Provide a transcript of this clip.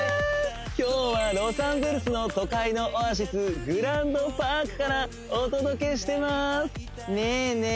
今日はロサンゼルスの都会のオアシスグランドパークからお届けしてますねえね